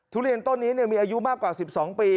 ทุเรียนต้นนี้มีอายุมากกว่า๑๒ปี